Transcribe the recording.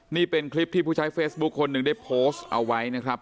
นี่เป็นคลิปที่ผู้ใช้เฟซบุ๊คคนหนึ่งได้โพสต์เอาไว้นะครับ